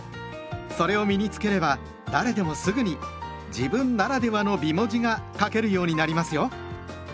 それを身に付ければ誰でもすぐに「自分ならではの美文字」が書けるようになりますよ。